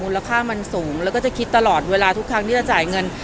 ราคามันสูงแล้วก็จะคิดตลอดเวลาทุกครั้งที่จะจ่ายเงิน